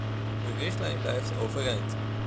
De richtlijn blijft overeind.